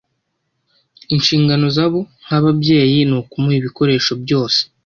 inshingano zabo nk’ababyeyi ni ukumuha ibikoresho byose